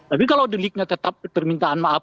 tapi kalau di linknya tetap permintaan maaf